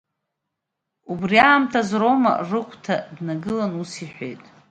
Убри аамҭазы Рома рыгәҭа дҩагылан, ус иҳәеит…